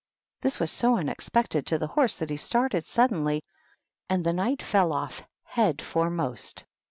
This was so unexpected to the horse that he started suddenly, and the Knight fell off head foremost.